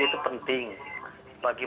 itu penting bagi